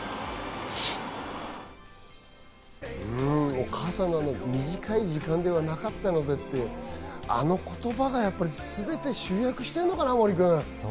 お母さんの短い時間ではなかったのでって、あの言葉がすべてを集約してるのかな、森君。